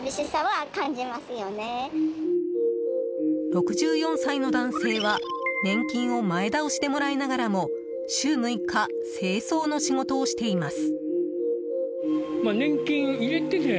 ６４歳の男性は年金を前倒しでもらいながらも週６日、清掃の仕事をしています。